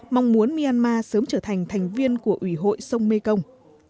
mong muốn myanmar sớm trở thành thành viên của ủy hội sông mekong